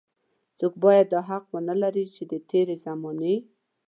څوک بايد دا حق ونه لري چې د تېرې زمانې.